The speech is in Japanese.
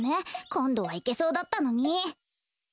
こんどはいけそうだったのに。